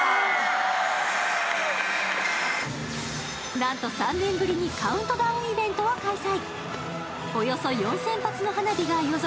なんと、３年ぶりにカウントダウンイベントを開催。